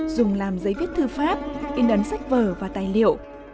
dùng làm giấy viết thư pháp in ấn sách vở và tài liệu